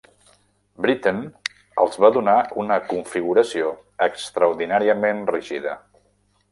Britten els va donar una configuració extraordinàriament rígida.